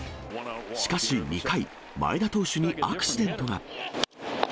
しかし２回、まえだ投手にアクシデントが。